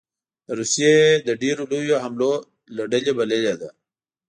د روسیې د ډېرو لویو حملو له ډلې بللې ده